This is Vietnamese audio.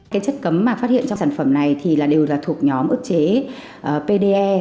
cái chất cấm mà phát hiện trong sản phẩm này thì đều là thuộc nhóm ức chế pde